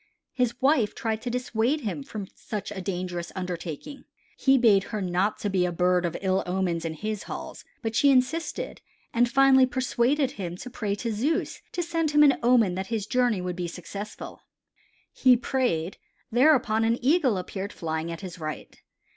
His wife tried to dissuade him from such a dangerous undertaking, he bade her not to be a bird of ill omen in his halls, but she insisted, and finally persuaded him to pray to Zeus to send him an omen that his journey would be successful. He prayed; thereupon an Eagle appeared flying at his right.